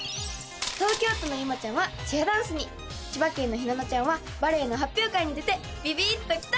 東京都のゆまちゃんはチアダンスに千葉県のひなのちゃんはバレエの発表会に出てビビッとキタ！